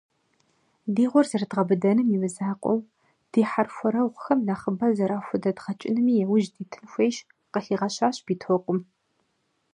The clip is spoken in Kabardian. «Ди гъуэр зэрыдгъэбыдэным имызакъуэу, ди хьэрхуэрэгъухэм нэхъыбэ зэрахудэдгъэкӀынми яужь дитын хуейщ», - къыхигъэщащ Битокъум.